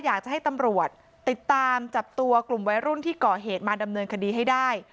อยากจะให้ตำรวจติดตามจับตัวกลุ่มวัยรุ่นที่ก่อเหตุมาดำเนินคดีให้ได้